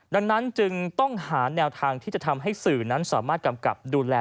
ดังนั้นจึงต้องหาแนวทางที่จะทำให้สื่อนั้นสามารถกำกับดูแล